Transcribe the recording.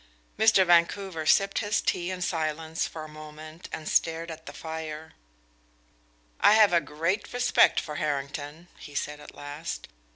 Mr. Vancouver sipped his tea in silence for a moment and stared at the fire. "I have a great respect for Harrington," he said at last.